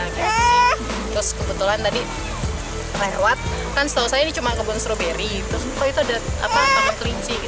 terus kebetulan tadi lewat kan setahu saya ini cuma kebun stroberi itu ada tamu kelinci